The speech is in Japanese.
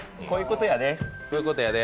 こういうことやで。